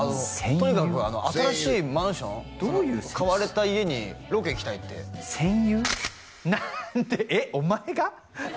とにかく新しいマンションその買われた家にロケ行きたいって戦友？なんてえお前が？